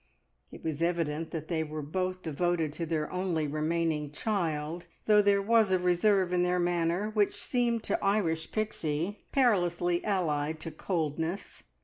It was evident that they were both devoted to their only remaining child, though there was a reserve in their manner which seemed to Irish Pixie perilously allied to coldness.